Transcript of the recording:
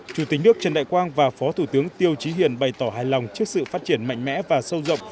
chủ tịch nước trần đại quang và phó thủ tướng tiêu trí hiền bày tỏ hài lòng trước sự phát triển mạnh mẽ và sâu rộng